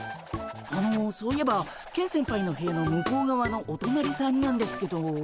あのそういえばケン先輩の部屋の向こうがわのおとなりさんなんですけど。